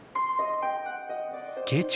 慶長